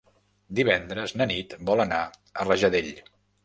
Divendres na Nit vol anar a Rajadell.